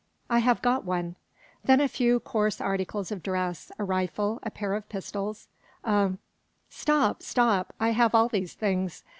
"I have got one." "Then a few coarse articles of dress, a rifle, a pair of pistols, a " "Stop, stop! I have all these things.